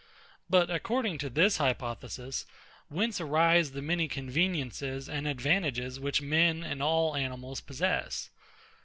But according to this hypothesis, whence arise the many conveniences and advantages which men and all animals possess?